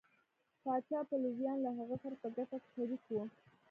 پاچا پلویان له هغه سره په ګټه کې شریک وو.